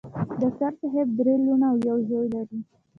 ډاکټر صېب درې لوڼه او يو زوے لري